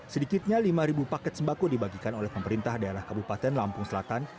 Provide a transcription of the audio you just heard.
sedikitnya lima paket sembako dibagikan oleh pemerintah daerah kabupaten lampung selatan